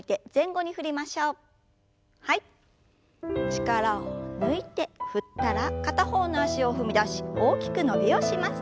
力を抜いて振ったら片方の脚を踏み出し大きく伸びをします。